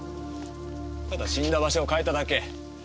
ただ死んだ場所を変えただけ？